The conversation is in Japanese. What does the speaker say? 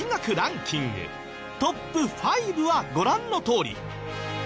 トップ５はご覧のとおり。